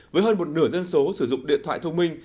với hơn một nửa dân số sử dụng điện thoại thông minh